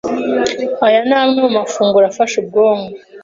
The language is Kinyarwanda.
Aya ni amwe mu mafunguro afasha ubwonko